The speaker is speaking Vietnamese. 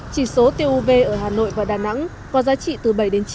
chỉ số tuv ở hà nội và đà nẵng có giá trị từ bảy chín